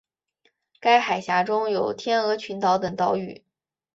该海峡中有天鹅群岛等岛屿。